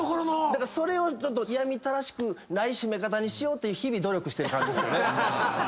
それを嫌みったらしくない閉め方にしようって日々努力してる感じですね。